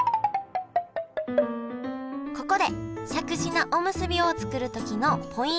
ここでしゃくし菜おむすびを作る時のポイントをご紹介！